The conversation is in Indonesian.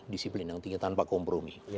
disiplin yang tinggi tanpa kompromi